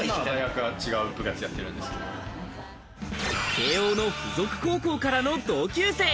慶應の附属高校からの同級生。